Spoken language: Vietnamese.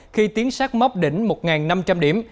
khi tiến sát mốc đỉnh một năm trăm linh điểm